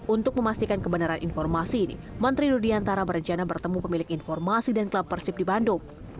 untuk memastikan kebenaran informasi ini menteri rudiantara berencana bertemu pemilik informasi dan klub persib di bandung